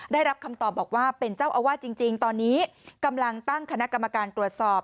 ได้รับคำตอบบอกว่าเป็นเจ้าอาวาสจริงตอนนี้กำลังตั้งคณะกรรมการตรวจสอบ